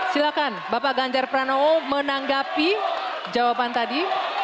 silakan bapak ganjar pranowo menanggapi jawaban tadi